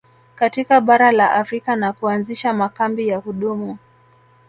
Katika bara la Afrika na kuanzisha makambi ya kudumu